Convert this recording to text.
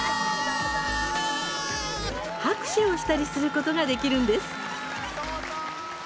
拍手をしたりすることができるんです。